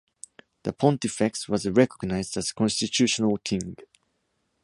The Pontifex was recognized as Constitutional King.